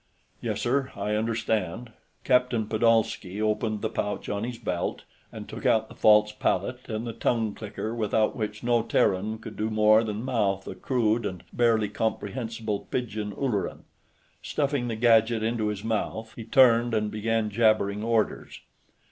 "Yes, sir, I understand." Captain Pedolsky opened the pouch on his belt and took out the false palate and tongue clicker without which no Terran could do more than mouth a crude and barely comprehensible pidgin Ulleran. Stuffing the gadget into his mouth, he turned and began jabbering orders.